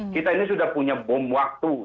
kita ini sudah punya bom waktu